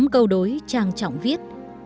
tám câu đối trang trọng viết